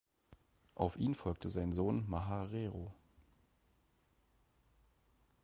Auf ihn folgte sein Sohn Maharero.